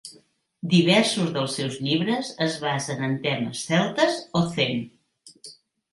Diversos dels seus llibres es basen en temes celtes o zen.